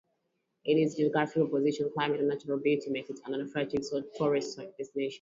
Its geographical position, climate and natural beauty make it an attractive tourist destination.